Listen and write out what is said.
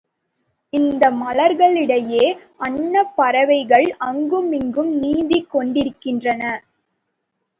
இந்த மலர்களுக்கிடையிடையே அன்னப் பறவைகள் அங்கு மிங்கும் நீந்திக் கொண்டிருக்கின்றன.